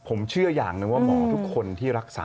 ผมเชื่ออย่างหนึ่งว่าหมอทุกคนที่รักษา